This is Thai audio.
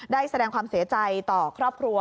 ได้แสดงความเสียใจต่อครอบครัว